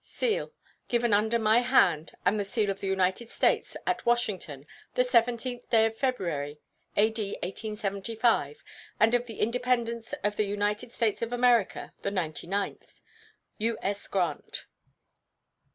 [SEAL.] Given under my hand and the seal of the United States, at Washington, the 17th day of February, A.D. 1875, and of the Independence of the United States of America the ninety ninth. U.S. GRANT.